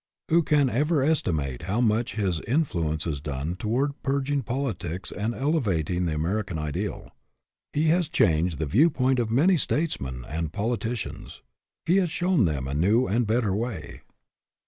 Who can ever estimate how much his in fluence has done toward purging politics and elevating the American ideal. He has changed the view point of many statesmen and poli ticians. He has shown them a new and a bet ter way.